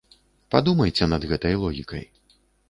Падумайце над гэтай логікай.